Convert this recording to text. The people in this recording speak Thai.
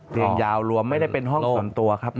ตัวลงไม่ได้เป็นห้องสวนตัวครับ